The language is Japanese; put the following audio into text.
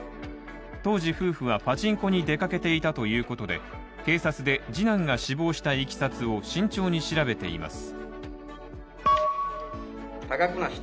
当時夫婦はパチンコに出かけていたということで、警察で次男が死亡した経緯を慎重に調べています。